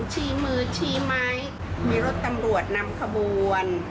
ชี้มือชี้ไม้มีรถตำรวจนำขบวน